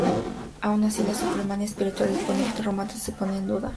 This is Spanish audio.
Aun así, la supremacía espiritual del pontífice romano, no se ponía en duda.